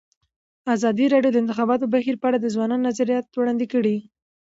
ازادي راډیو د د انتخاباتو بهیر په اړه د ځوانانو نظریات وړاندې کړي.